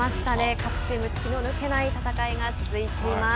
各チーム気の抜けない戦いが続いています。